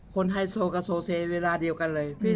ไฮโซกับโซเซเวลาเดียวกันเลย